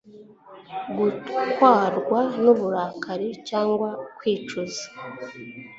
gutwarwa n'uburakari cyangwa kwicuza